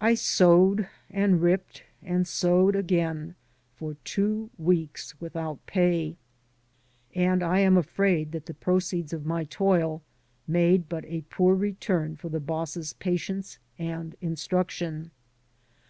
I sewed and ripped and sewed again for two weeks without pay, and I am afraid that the proceeds of my toil made but a poor return for the boss's patience and instruction.